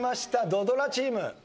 土ドラチーム。